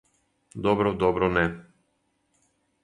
Добро, добро, не.